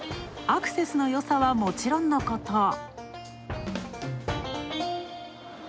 アクセスのよさはもちろんのこと。